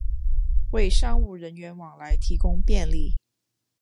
为商务人员往来提供便利